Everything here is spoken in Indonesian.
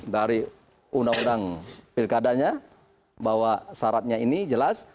dari undang undang pilkadanya bahwa syaratnya ini jelas